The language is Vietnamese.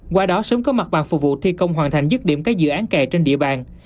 qua đó sớm có mặt bằng phục vụ thi công hoàn thành dứt điểm các dự án kè trên địa bàn